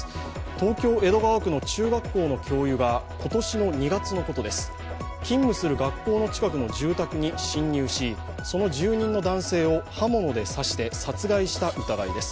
東京・江戸川区の中学校の教諭が今年の２月のことです、勤務する学校の近くの住宅に侵入し、その住人の男性を刃物で刺して殺害した疑いです。